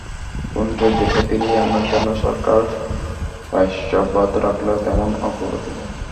খুনিদের দেশে ফিরিয়ে আনার জন্য সরকার প্রয়াস অব্যাহত রাখলেও তেমন অগ্রগতি নেই।